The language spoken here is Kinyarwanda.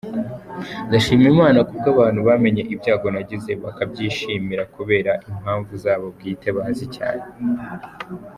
Ndashima Imana kubw’abantu bamenye ibyago nagize bakabyishimira kubera impamvu zabo bwite bazi cyane.